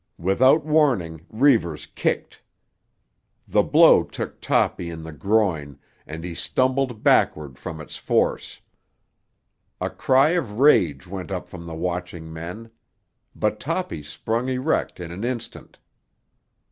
Without warning Reivers kicked. The blow took Toppy in the groin and he stumbled backward from its force. A cry of rage went up from the watching men. But Toppy sprung erect in an instant.